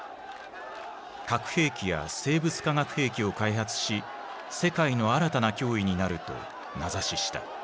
核兵器や生物・化学兵器を開発し世界の新たな脅威になると名指しした。